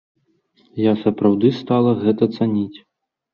Я сапраўды стала гэта цаніць.